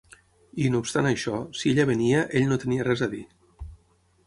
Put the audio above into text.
I, no obstant això, si ella venia, ell no tenia res a dir.